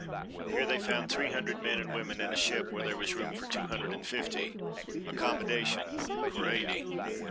Here they found three hundred men and women in a ship where there was room for two hundred and fifty, accommodation for eighty.